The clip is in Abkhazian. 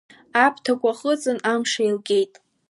Аԥҭақәа хыҵын, амш еилгеит.